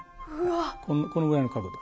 このぐらいの角度。